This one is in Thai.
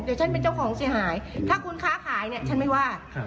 เดี๋ยวฉันเป็นเจ้าของเสียหายถ้าคุณค้าขายเนี่ยฉันไม่ว่า